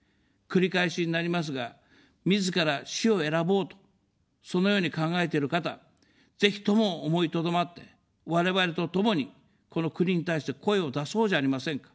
繰り返しになりますが、みずから死を選ぼうと、そのように考えている方、ぜひとも思いとどまって、我々と共に、この国に対して声を出そうじゃありませんか。